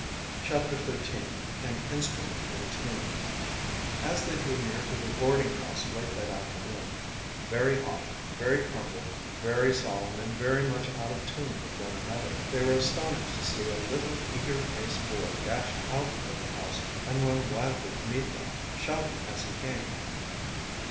CHAPTER XIII AN INSTRUMENT IN TUNE As they drew near to their boarding house late that afternoon, very hot, very crumpled, very solemn, and very much out of tune with one another, they were astonished to see a little eager faced boy dash out of the house and run wildly to meet them, shouting as he came.